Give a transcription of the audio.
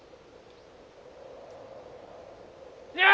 やあ！